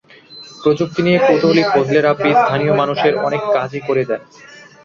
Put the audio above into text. প্রযুক্তি নিয়ে কৌতূহলী ফজলে রাব্বি স্থানীয় মানুষের অনেক কাজই করে দেন।